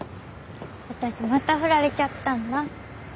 私また振られちゃったんだ。